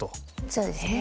そうですね。